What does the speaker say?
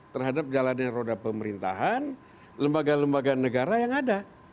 terhadap jalannya roda pemerintahan lembaga lembaga negara yang ada